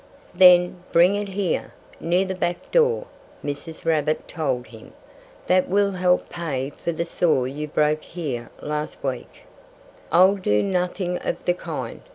"Then bring it here, near the back door," Mrs. Rabbit told him. "That will help pay for the saw you broke here last week." "I'll do nothing of the kind!"